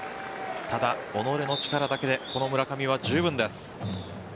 ただ、己の力だけで村上は十分です。